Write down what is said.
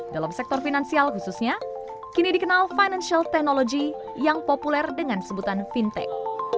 dalam sektor finansial khususnya kini dikenal financial technology yang populer dengan sebutan fintech